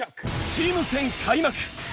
チーム戦開幕！